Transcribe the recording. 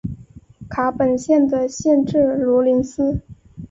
卡本县的县治罗林斯。